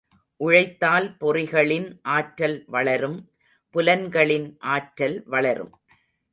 உழைத்தால் பொறிகளின் ஆற்றல் வளரும் புலன்களின் ஆற்றல் வளரும்.